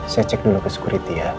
saya cek dulu ke security ya